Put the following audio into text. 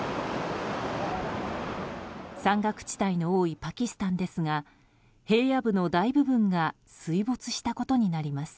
山岳地帯の多いパキスタンですが平野部の大部分が水没したことになります。